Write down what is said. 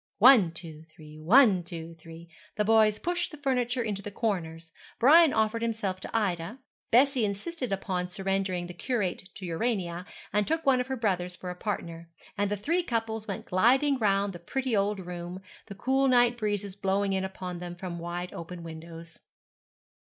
ONE, two, three, ONE, two, three. The boys pushed the furniture into the corners. Brian offered himself to Ida; Bessie insisted upon surrendering the curate to Urania, and took one of her brothers for a partner; and the three couples went gliding round the pretty old room, the cool night breezes blowing in upon them from wide open windows.